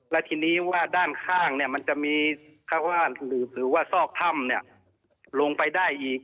แล้วทีนี้ว่าด้านข้างเนี่ยมันจะมีหรือว่าซอกท่ำเนี่ยลงไปได้อีก